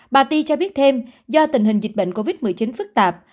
bà ti cho biết thêm do tình hình dịch bệnh covid một mươi chín phức tạp